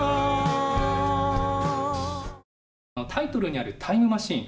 タイトルにある「タイムマシーン」。